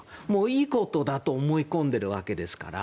いいことだと思い込んでいるわけですから。